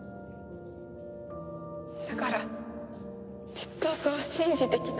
だからずっとそう信じてきた。